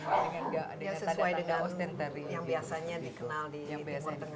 ya sesuai dengan yang biasanya dikenal di timur tengah